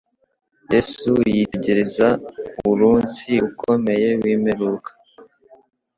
Yesu yitegereza uruunsi ukomeye w'imperuka;